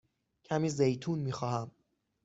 کمی زیتون می خواهم.